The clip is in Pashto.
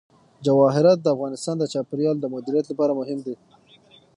جواهرات د افغانستان د چاپیریال د مدیریت لپاره مهم دي.